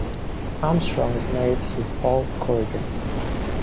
Armstrong is married to Paul Corrigan.